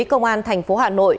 công an thành phố hà nội